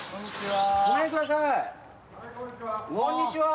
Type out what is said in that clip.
はいこんにちは。